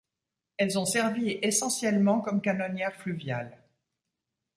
Elles ont servi essentiellement comme canonnières fluviales.